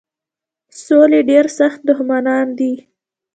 سولي ډېر سخت دښمنان دي.